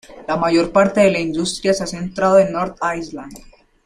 La mayor parte de la industria se ha centrado en North Island.